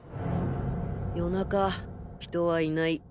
夜中人は居ない。